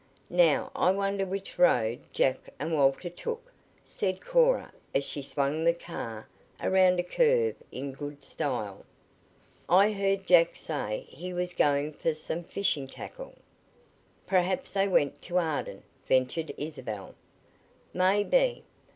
"Now I wonder which road Jack and Walter took?" said Cora as she swung the car around a curve in good style. "I heard Jack say he was going for some fishing tackle." "Perhaps they went to Arden," ventured Isabel. "Maybe.